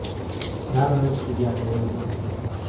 نامەوێت سوودیان لێ وەربگرم.